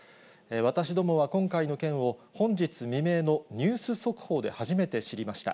私どもは今回の件を本日未明のニュース速報で初めて知りました。